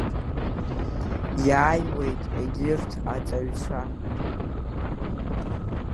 Иааиуеит егьырҭ аҵаҩцәа.